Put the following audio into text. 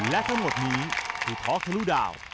และทั้งหมดนี้คือท็อกทะลุดาว